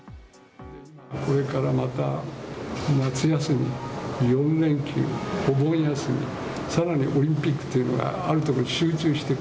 これからまた夏休み、４連休、お盆休み、さらにオリンピックというのが、ある程度集中している。